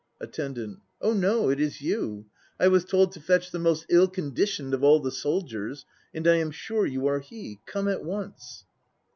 ATTENDANT. Oh no, it is you. I was told to fetch the most ill conditioned of all the soldiers; and I am sure you are he. Come at once.